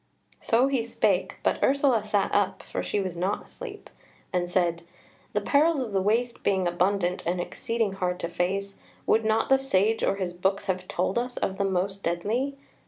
So he spake; but Ursula sat up (for she was not asleep) and said: "The perils of the waste being abundant and exceeding hard to face, would not the Sage or his books have told us of the most deadly?"